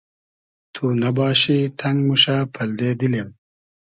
تو نئباشی تئنگ موشۂ پئلدې دیلیم